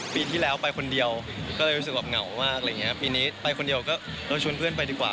ปีที่แล้วไปคนเดียวก็เลยรู้สึกเหมือนเหงามากปีนี้ไปคนเดียวก็ชวนเพื่อนไปดีกว่า